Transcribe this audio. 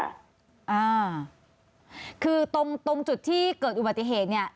อ่าคือตรงตรงจุดที่เกิดอุบัติเหตุเนี่ย